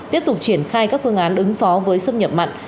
tiếp tục triển khai các phương án ứng phó với xâm nhập mặn